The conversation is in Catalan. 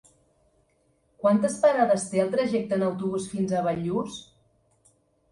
Quantes parades té el trajecte en autobús fins a Bellús?